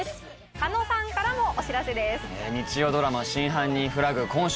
佐野さんからもお知らせです。